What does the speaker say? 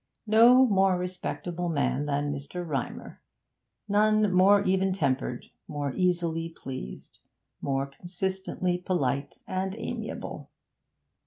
No more respectable man than Mr. Rymer; none more even tempered, more easily pleased, more consistently polite and amiable.